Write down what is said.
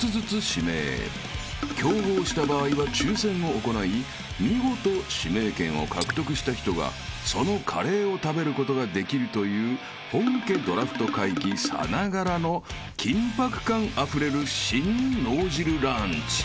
［競合した場合は抽選を行い見事指名権を獲得した人がそのカレーを食べることができるという本家ドラフト会議さながらの緊迫感あふれる新脳汁ランチ］